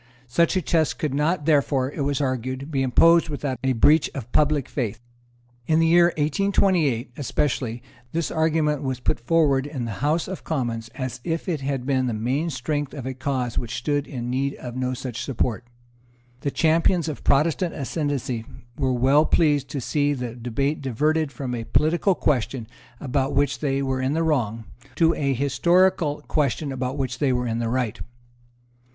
Such a test could not therefore, it was argued, be imposed without a breach of public faith. In the year 1828, especially, this argument was put forward in the House of Commons as if it had been the main strength of a cause which stood in need of no such support. The champions of Protestant ascendency were well pleased to see the debate diverted from a political question about which they were in the wrong, to a historical question about which they were in the right.